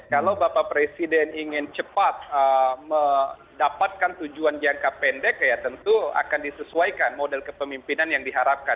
kalau bapak presiden ingin cepat mendapatkan tujuan jangka pendek ya tentu akan disesuaikan model kepemimpinan yang diharapkan